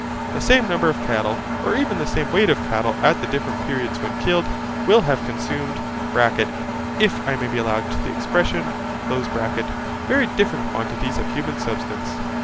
The same number of cattle, or even the same weight of cattle at the different periods when killed, will have consumed (if I may be allowed the expression) very different quantities of human substance.